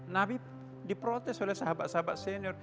nabi diprotes oleh sahabat sahabat senior